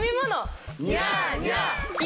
ニャーニャー。